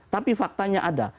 tapi faktanya ada